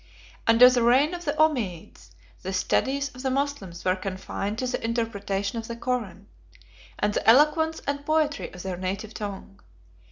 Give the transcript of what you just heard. ] Under the reign of the Ommiades, the studies of the Moslems were confined to the interpretation of the Koran, and the eloquence and poetry of their native tongue.